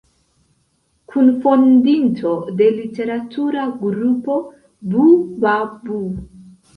Kunfondinto de literatura grupo Bu-Ba-Bu.